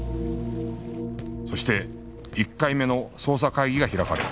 そして１回目の捜査会議が開かれる